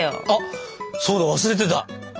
あっそうだ忘れてた。